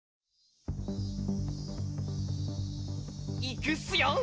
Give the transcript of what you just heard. いくっすよ。